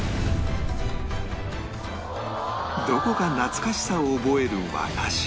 どこか懐かしさを覚える和菓子